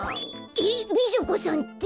えっ美女子さんって？